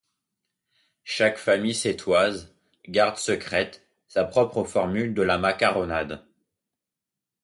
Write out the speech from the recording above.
Chaque famille sétoise garde secrète sa propre formule de la macaronade.